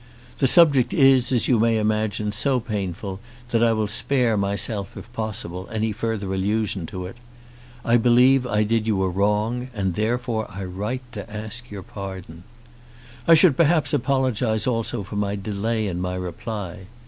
The subject is, as you may imagine, so painful that I will spare myself, if possible, any further allusion to it. I believe I did you a wrong, and therefore I write to ask your pardon. I should perhaps apologise also for delay in my reply.